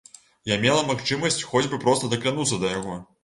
Я мела магчымасць хоць бы проста дакрануцца да яго.